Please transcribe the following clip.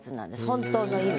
本当の意味。